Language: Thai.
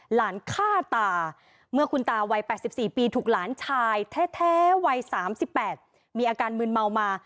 หลานฆ่าตาเมื่อคุณตาวัย๘๔ปีถูกหลานชายแท้วัย๓๘มีอาการมืนเมามา